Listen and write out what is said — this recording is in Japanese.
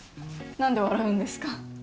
何で笑うんですか？